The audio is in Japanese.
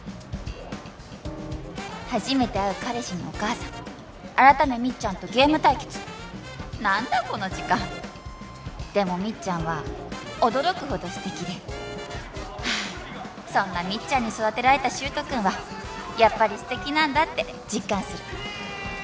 初めて会う彼氏のお母さん改めみっちゃんとゲーム対決何だこの時間でもみっちゃんは驚くほどステキでそんなみっちゃんに育てられた柊人君はやっぱりステキなんだって実感する